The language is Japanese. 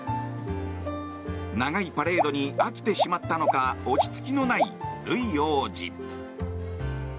長いパレードに飽きてしまったのか落ち着きのないルイ王子。